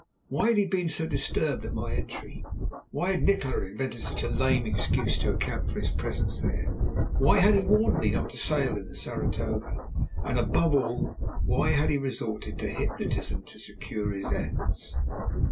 Why had he been so disturbed at my entry? Why had Nikola invented such a lame excuse to account for his presence there? Why had he warned me not to sail in the Saratoga? and, above all, why had he resorted to hypnotism to secure his ends?